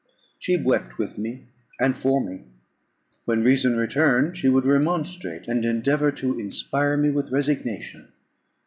She wept with me, and for me. When reason returned, she would remonstrate, and endeavour to inspire me with resignation.